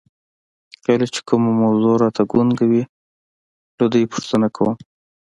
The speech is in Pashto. کله چې کومه موضوع راته ګونګه وي له دوی پوښتنه کوم.